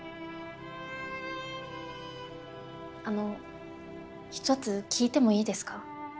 あの一つ聞いてもいいですか？